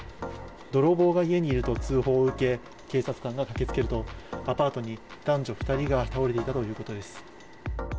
泥棒が家にいると通報を受け、警察官が駆けつけると、アパートに男女２人が倒れていたということです。